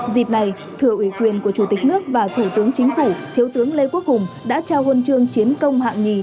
dịp này thừa ủy quyền của chủ tịch nước và thủ tướng chính phủ thiếu tướng lê quốc hùng đã trao hôn trương chiến công hạng hai